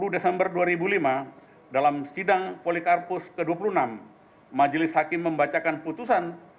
dua puluh desember dua ribu lima dalam sidang polikarpus ke dua puluh enam majelis hakim membacakan putusan